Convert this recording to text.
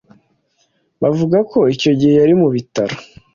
Bavuga ko icyo gihe yari mu bitaro